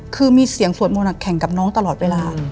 คือมีเสียงสวดมนต์แข่งกับน้องตลอดเวลา